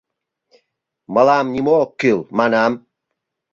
Мылам нимо ок кӱл, манам.